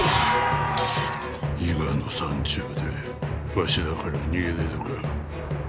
伊賀の山中でわしらから逃げれるか。